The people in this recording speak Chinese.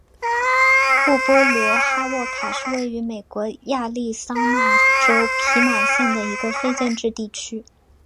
沃波罗哈沃卡是位于美国亚利桑那州皮马县的一个非建制地区。